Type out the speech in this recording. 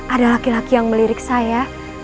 ada laki laki yang melirik saya